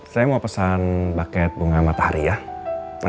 saya mau pesan buket bunga matahari ya